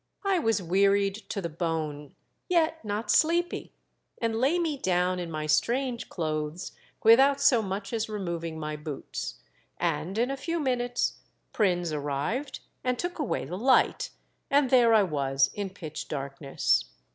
I was wearied to the bone, yet not sleepy, and lay me down in my strange clothes without so much as removing my boots, and in a few minutes Prins arrived and took away the light, and there I was in pitch darkness.